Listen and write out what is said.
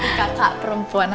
hati kakak perempuan aku ya